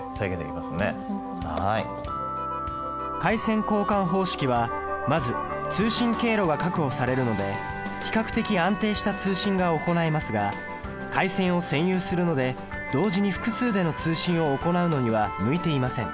回線交換方式はまず通信経路が確保されるので比較的安定した通信が行えますが回線を専有するので同時に複数での通信を行うのには向いていません。